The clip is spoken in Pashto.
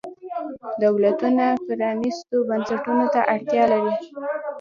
دولتونه پرانیستو بنسټونو ته اړتیا لري.